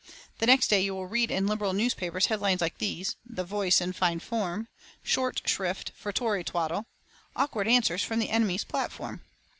The next day you will read in Liberal newspapers headlines like these: "The Voice in Fine Form," "Short Shrift for Tory Twaddle," "Awkward Answers from the Enemy's Platform."